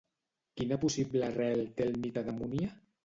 Quina possible arrel té el mite de Múnia?